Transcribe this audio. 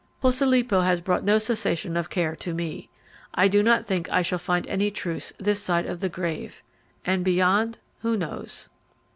Posilipo has brought no cessation of care to me. I do not think I shall find any truce this side the grave; and beyond, who knows?"